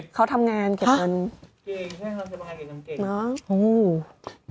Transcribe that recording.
ใช่ใช่เขาทำงานเก็บอันเก่ง